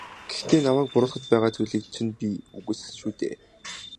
Гэхдээ намайг буруутгаж байгаа зүйлийг чинь би үгүйсгэсэн шүү дээ.